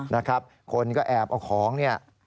นะครับคนก็แอบเอาของเนี่ย